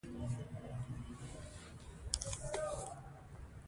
افغانستان د خپل کلتور د ساتنې لپاره پوره او ځانګړي قوانین لري.